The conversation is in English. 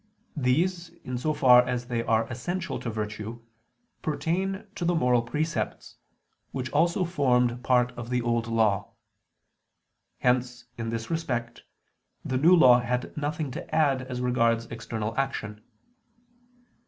These, in so far as they are essential to virtue, pertain to the moral precepts, which also formed part of the Old Law. Hence, in this respect, the New Law had nothing to add as regards external action.